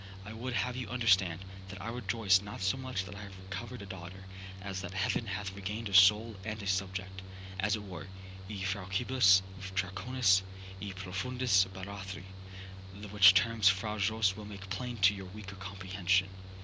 'I would have you understand, that I rejoice not so much that I have recovered a daughter, as that heaven hath regained a soul and a subject, as it were, e faucibus Draconis—e profundis Barathri—the which terms Fra Jose will make plain to your weaker comprehension.